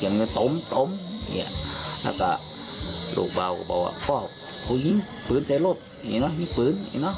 นี่ปืนเนี้ยนะแล้วก็ผมออกกับโชคค้าง